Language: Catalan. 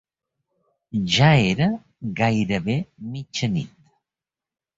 Ja era gairebé mitjanit.